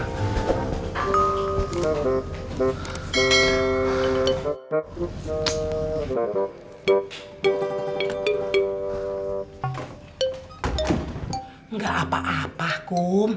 tidak apa apa kum